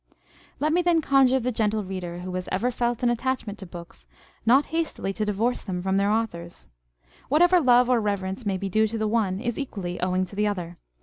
Let me then conjure the gentle reader, who has ever felt an attachment to books, not hastily to divorce them from their authors. Whatever love or reverence may be due to the one, is equally owing to the other.